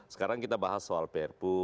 sekarang kita bahas soal prpu